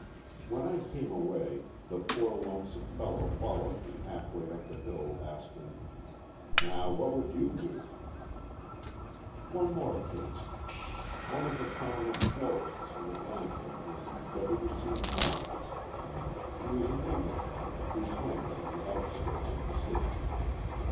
When I came away the poor lonesome fellow followed me half way up the hill, asking: "Now, what would you do?" One more case. One of the prominent florists in Atlanta is W. C. Lawrence. He is an Englishman, whose home is in the outskirts of the city.